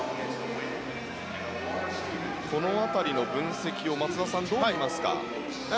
この辺りの分析を松田さん、どう見ますか？